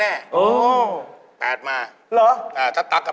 เหรอถ้าตั๊กก็๘อ๋อถ้าตั๊กก็๘